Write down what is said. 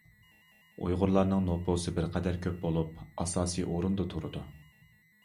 ئۇيغۇرلارنىڭ نوپۇسى بىر قەدەر كۆپ بولۇپ ئاساسىي ئۇزۇندا تۇرىدۇ.